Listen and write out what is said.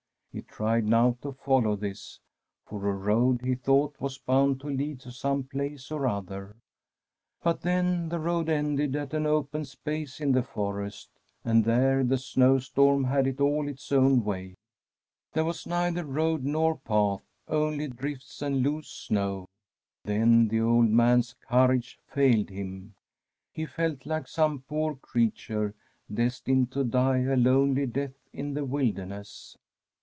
He tried now to follow this, for a road, he thought, was bound to lead to some place or other; but then the road ended at an open space in the forest, and there the snowstorm had it all its own way; there was neither road nor path, only drifts and loose snow. Then the old man's courage failed him ; he felt like some poor creature destined to die a lonely death in the wilderness.